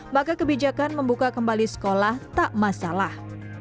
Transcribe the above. maka kebijakan membuka kembali sekolah tak masalah